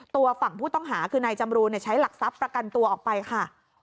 ตัวฝั่งผู้ต้องหาคือนายจำรูนใช้หลักทรัพย์ประกันตัวออกไปค่ะ